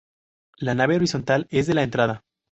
La nave horizontal es la de entrada.